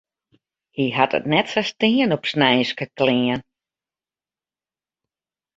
Hy hat it net sa stean op sneinske klean.